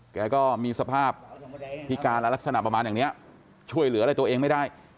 แกก็มีสภาพพิการอะไรลักษณะประมาณอย่างนี้ช่วยเหลืออะไรตัวเองไม่ได้